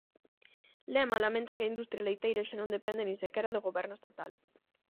Lema lamenta que a industria leiteira xa non depende nin sequera do goberno estatal.